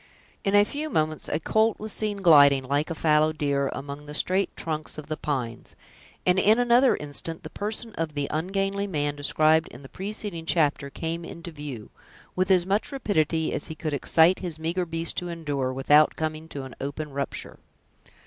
In a few moments a colt was seen gliding, like a fallow deer, among the straight trunks of the pines; and, in another instant, the person of the ungainly man, described in the preceding chapter, came into view, with as much rapidity as he could excite his meager beast to endure without coming to an open rupture.